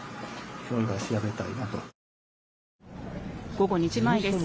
午後２時前です。